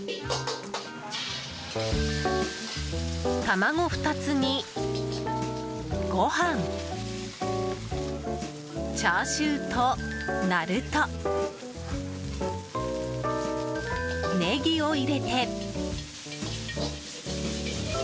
卵２つに、ご飯チャーシューとナルトネギを入れて。